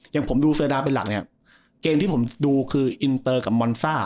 อย่างผมดูเซอร์ดาเป็นหลักเนี่ยเกมที่ผมดูคืออินเตอร์กับมอนซ่า